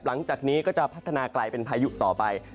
หลังจากนี้ก็จะพัฒนากลายเป็นพายุต่อไป